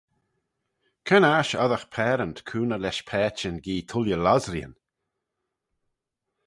Cre'n aght oddagh paarant cooney lesh paitçhyn gee tooilley lossreeyn?